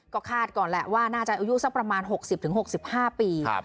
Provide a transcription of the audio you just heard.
ก็คาดก่อนแหละว่าน่าจะอายุสักประมาณ๖๐๖๕ปี